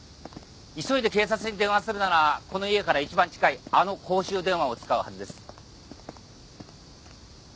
急いで警察に電話するならこの家から一番近いあの公衆電話を使うはずです。